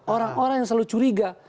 orang orang yang selalu curiga